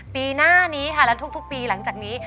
ปีหน้านี้ค่ะและทุกปีหลังจากนี้